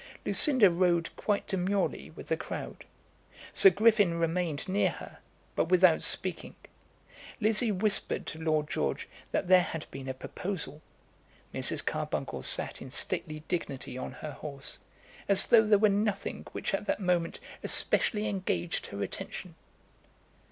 Lucinda rode quite demurely with the crowd. Sir Griffin remained near her, but without speaking. Lizzie whispered to Lord George that there had been a proposal. Mrs. Carbuncle sat in stately dignity on her horse, as though there were nothing which at that moment especially engaged her attention.